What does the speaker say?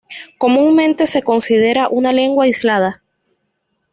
Comúnmente se considera una lengua aislada.